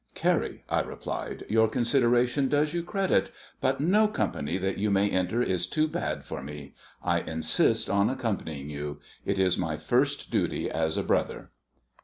"Carrie," I replied, "your consideration does you credit; but no company that you may enter is too bad for me. I insist on accompanying you. It is my first duty as a brother."